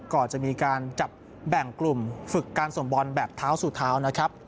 ก่อนจะมีการจับแบ่งกลุ่มฝึกการส่งบอลแบบเท้าสู่เท้านะครับ